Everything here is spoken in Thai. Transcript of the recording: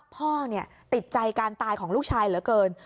พ่อติดใจการตายของลูกชายเหลือเกิน